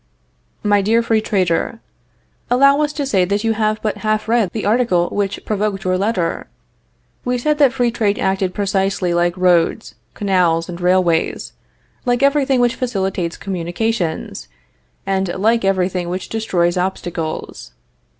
MY DEAR FREE TRADER: Allow us to say that you have but half read the article which provoked your letter. We said that free trade acted precisely like roads, canals and railways, like everything which facilitates communications, and like everything which destroys obstacles.